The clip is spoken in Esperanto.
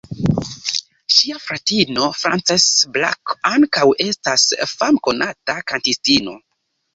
Ŝia fratino Frances Black ankaŭ estas famkonata kantistino.